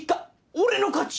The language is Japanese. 俺の勝ち！